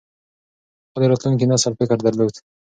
هغه د راتلونکي نسل فکر درلود.